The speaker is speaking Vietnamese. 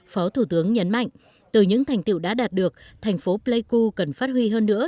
phó thủ tướng nhấn mạnh từ những thành tiệu đã đạt được thành phố pleiku cần phát huy hơn nữa